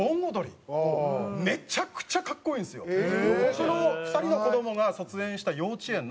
僕の２人の子どもが卒園した幼稚園の。